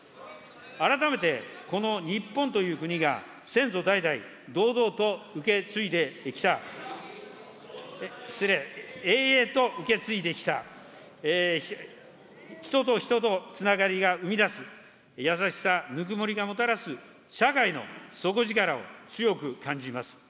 改めて、この日本という国が先祖代々、堂々と受け継いできた、失礼、営々と受け継いできた、人と人とのつながりが生み出す優しさ、ぬくもりがもたらす社会の底力を強く感じます。